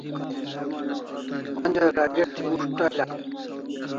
Onja rageshti ushta la?